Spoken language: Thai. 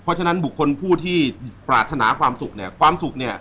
เพราะฉะนั้นบุคคลผู้ที่ปรารถนาความสุขเนี่ยความสุขเนี่ย